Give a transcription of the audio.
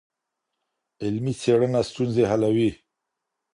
علمي څېړنه ستونزي حلوي.